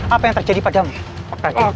apa yang terjadi pada